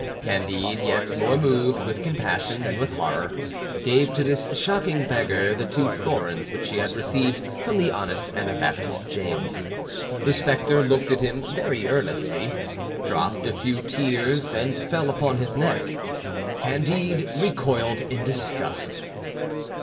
Candide, yet more moved with compassion than with horror, gave to this shocking beggar the two florins which he had received from the honest Anabaptist James. The spectre looked at him very earnestly, dropped a few tears, and fell upon his neck. Candide recoiled in disgust.